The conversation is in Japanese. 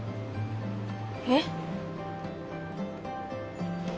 えっ？